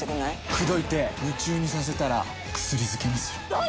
口説いて夢中にさせたらクスリ漬けにする。